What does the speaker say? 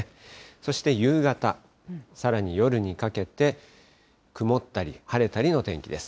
そして夕方、さらに夜にかけて、曇ったり晴れたりの天気です。